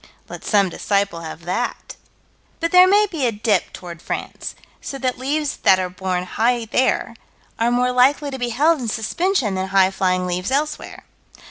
Let some disciple have that. But there may be a dip toward France, so that leaves that are borne high there, are more likely to be held in suspension than highflying leaves elsewhere.